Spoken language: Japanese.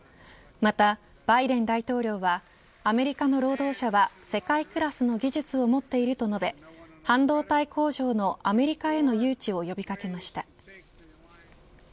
またバイデン大統領はアメリカの労働者は世界クラスの技術を持っていると述べ半導体工場のアメリカへの誘致を呼び掛けました。